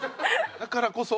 だからこそ？